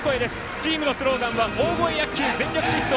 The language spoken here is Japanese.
チームのスローガンは大声野球、全力疾走。